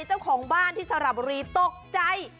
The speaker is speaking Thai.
เจ้าของบ้านที่สระบุรีตกใจ